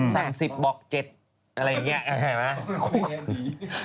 สั่งสิบบอกเจ็ดอะไรอย่างนี้เห็นไหม